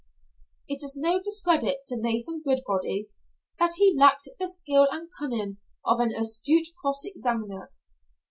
It is no discredit to Nathan Goodbody that he lacked the skill and cunning of an astute cross examiner.